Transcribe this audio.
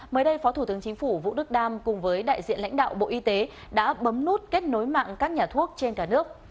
mới đây phó thủ tướng chính phủ vũ đức đam cùng với đại diện lãnh đạo bộ y tế đã bấm nút kết nối mạng các nhà thuốc trên cả nước